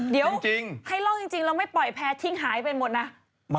เดี๋ยวให้ล่องจริงแล้วไม่ปล่อยแพ้ทิ้งหายไปหมดนะ